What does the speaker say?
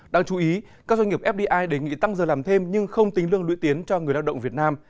đáng chú ý các doanh nghiệp fdi đề nghị tăng giờ làm thêm nhưng không tính lương lũy tiến cho người lao động việt nam